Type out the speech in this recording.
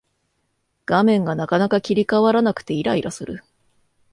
画面がなかなか切り替わらなくてイライラする